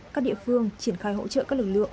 các địa phương triển khai hỗ trợ các lực lượng